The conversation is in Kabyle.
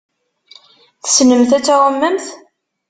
Tessnemt ad tɛummemt?